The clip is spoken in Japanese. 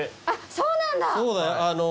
あっそうなんだ！